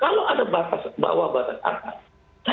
kalau ada batas bawah batas atas